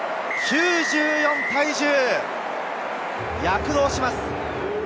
９４対１０、躍動します。